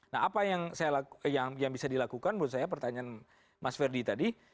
nah apa yang bisa dilakukan menurut saya pertanyaan mas ferdi tadi